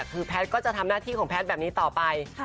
คือแพทย์ก็จะทำหน้าที่ของแพทย์แบบนี้ต่อไป